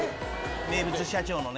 名物社長のね。